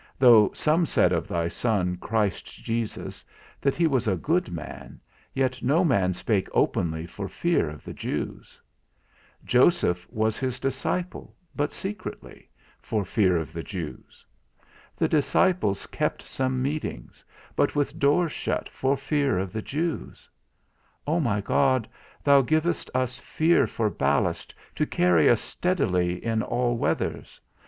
Though some said of thy Son, Christ Jesus, that he was a good man, yet no man spake openly for fear of the Jews. Joseph was his disciple, but secretly, for fear of the Jews. The disciples kept some meetings, but with doors shut for fear of the Jews. O my God, thou givest us fear for ballast to carry us steadily in all weathers.